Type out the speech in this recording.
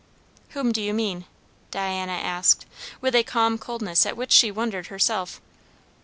"Whom do you mean?" Diana asked, with a calm coldness at which she wondered herself.